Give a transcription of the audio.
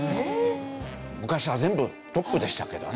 昔は全部トップでしたけどね。